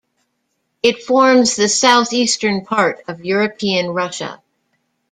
It forms the southeastern part of European Russia.